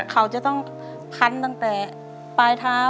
เขาจะต้องพันตั้งแต่ปลายเท้า